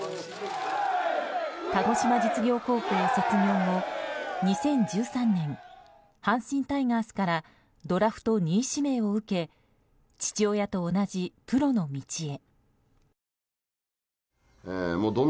鹿児島実業高校を卒業後２０１３年、阪神タイガースからドラフト２位指名を受け父親と同じプロの道へ。